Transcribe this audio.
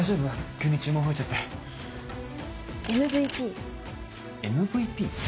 急に注文増えちゃってＭＶＰＭＶＰ？